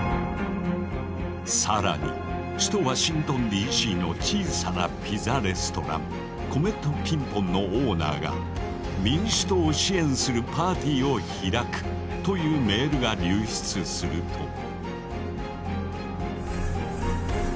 更に首都ワシントンＤ．Ｃ．の小さなピザレストランコメット・ピンポンのオーナーが民主党を支援するパーティーを開くというメールが流出すると。